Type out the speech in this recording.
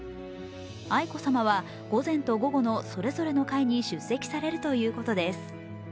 愛子さまは午前と午後のそれぞれの回に出席されるということです。